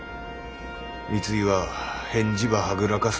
三井は返事ばはぐらかすばかい。